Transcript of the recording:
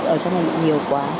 ở trong này nhiều quá